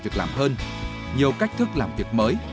việc làm hơn nhiều cách thức làm việc mới